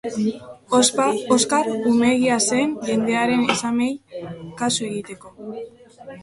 Oskar umeegia zen jendearen esamesei kasu egiteko.